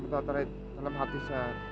kamu tahu terat dalam hati saya